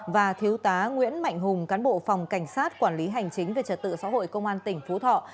và thiếu tá nguyễn mạnh hùng cán bộ phòng cảnh sát quản lý hành chính về trật tự xã hội công an tỉnh phú thọ